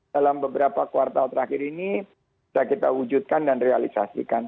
dalam beberapa kuartal terakhir ini bisa kita wujudkan dan realisasikan